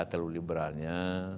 terlalu liberal nya